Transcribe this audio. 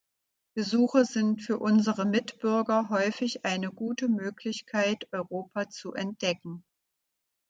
Besuche sind für unsere Mitbürger häufig eine gute Möglichkeit, Europa zu entdecken.